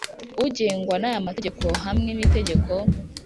Ugengwa n aya mageteko hamwe n itegeko